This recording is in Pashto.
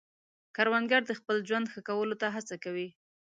کروندګر د خپل ژوند ښه کولو ته هڅه کوي